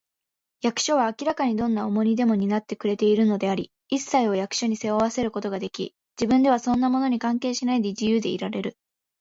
役所は明らかにどんな重荷でも担ってくれているのであり、いっさいを役所に背負わせることができ、自分ではそんなものに関係しないで、自由でいられる